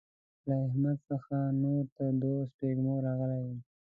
له احمد څخه نور تر دوو سپږمو راغلی يم.